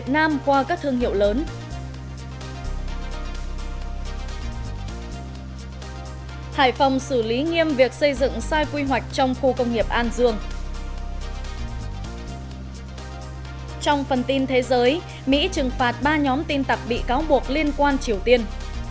trong phần tin thế giới mỹ trừng phạt ba nhóm tin tặc bị cáo buộc liên quan triều tiên